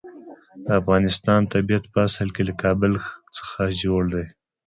د افغانستان طبیعت په اصل کې له کابل څخه جوړ دی.